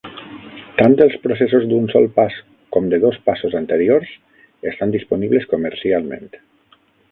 Tant els processos d'un sol pas com de dos passos anteriors estan disponibles comercialment.